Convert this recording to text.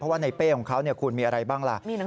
ว่าในเป้ของเขาคุณมีอะไรบ้างล่ะ